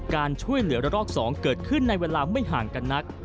การช่วยเหลือระลอก๒เกิดขึ้นในเวลาไม่ห่างกันนัก